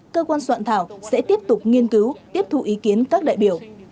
cơ quan soạn thảo sẽ tiếp tục nghiên cứu tiếp thu ý kiến các đại biểu